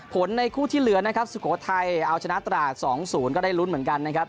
ในคู่ที่เหลือนะครับสุโขทัยเอาชนะตราด๒๐ก็ได้ลุ้นเหมือนกันนะครับ